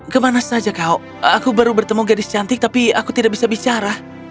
kemana saja kau aku baru bertemu gadis cantik tapi aku tidak bisa bicara